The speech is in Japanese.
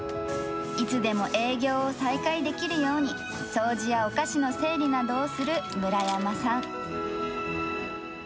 いつでも営業を再開できるように、掃除やお菓子の整理などをする村山さん。